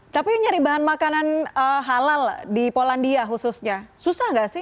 tapi nyari bahan makanan halal di polandia khususnya susah nggak sih